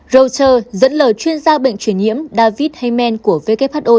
reuters dẫn lời chuyên gia bệnh truyền nhiễm david heyman của who